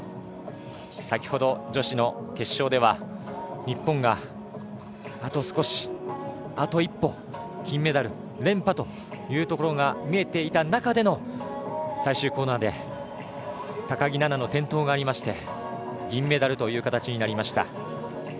先ほど、女子の決勝では日本があと少しあと一歩金メダル連覇というところが見えていた中での最終コーナーで高木菜那の転倒がありまして銀メダルという形になりました。